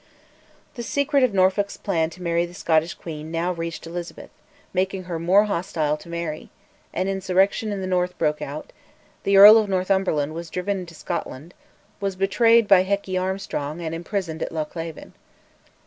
The secret of Norfolk's plan to marry the Scottish queen now reached Elizabeth, making her more hostile to Mary; an insurrection in the North broke out; the Earl of Northumberland was driven into Scotland, was betrayed by Hecky Armstrong, and imprisoned at Loch Leven.